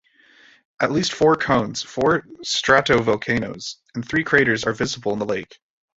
At least four cones, four stratovolcanoes, and three craters are visible in the lake.